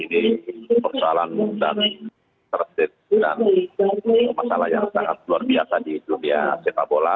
ini persoalan dan masalah yang sangat luar biasa di dunia sepak bola